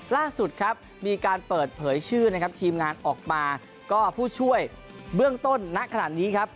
ล่าสุดครับมีการเปิดเผยชื่อนะครับทีมงานออกมาก็ผู้ช่วยเบื้องต้นณขณะนี้ครับ